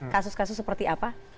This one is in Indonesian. kasus kasus seperti apa